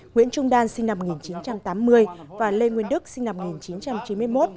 nguyễn trung đan sinh năm một nghìn chín trăm tám mươi và lê nguyên đức sinh năm một nghìn chín trăm chín mươi một